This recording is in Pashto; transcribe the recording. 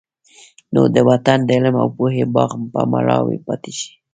نو د وطن د علم او پوهې باغ به مړاوی پاتې شي.